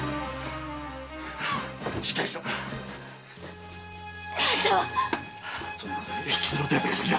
しっかりしろあんたは？